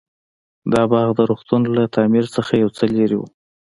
دا باغ د روغتون له تعمير څخه يو څه لرې و.